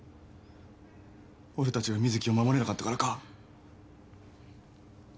俺たちが瑞稀を守れなかったからか？